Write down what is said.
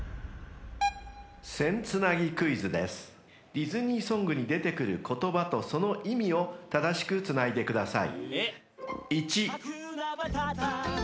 ［ディズニーソングに出てくる言葉とその意味を正しくつないでください］